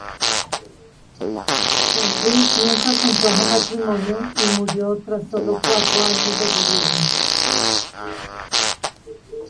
Juan Luis nunca contrajo matrimonio y murió tras solo cuatro años de gobierno.